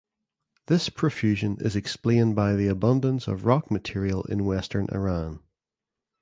This profusion is explained by the abundance of rock material in western Iran.